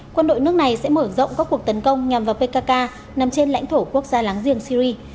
quân đội nước này sẽ mở rộng các cuộc tấn công nhằm vào pkk nằm trên lãnh thổ quốc gia láng giềng syri